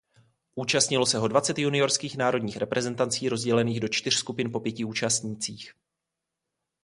Účastnilo se ho dvacet juniorských národních reprezentací rozdělených po čtyř skupin po pěti účastnících.